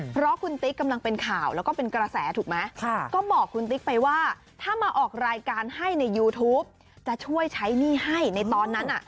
เพราะคุณติ๊กกำลังเป็นข่าวแล้วก็เป็นกระแสถูกไหมก็บอกคุณติ๊กไปว่าถ้ามาออกรายการให้ในยูทูปจะช่วยใช้หนี้ให้ในตอนนั้น